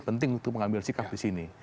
penting untuk mengambil sikap disini